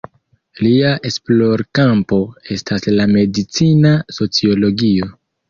Lia esplorkampo estas la medicina sociologio.